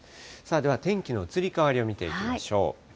では天気の移り変わりを見ていきましょう。